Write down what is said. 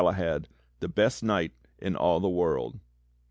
\had, the best knight in all the WORLD."